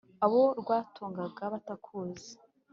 abo rwatungaga batakuzi